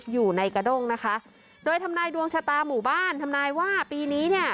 อยู่ในกระด้งนะคะโดยทำนายดวงชะตาหมู่บ้านทำนายว่าปีนี้เนี่ย